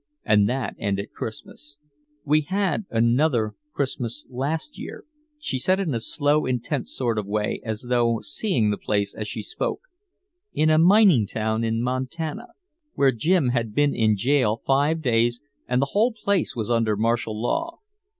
And that ended Christmas. "We had another Christmas last year," she said in a slow, intense sort of way as though seeing the place as she spoke, "in a mining town in Montana, where Jim had been in jail five days and the whole place was under martial law.